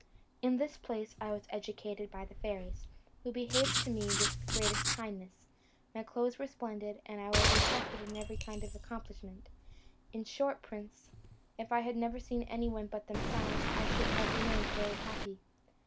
In this place was I educated by the fairies, who behaved to me with the greatest kindness; my clothes were splendid, and I was instructed in every kind of accomplishment; in short, prince, if I had never seen anyone but themselves, I should have remained very happy.